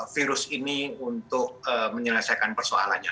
virus ini untuk menyelesaikan persoalannya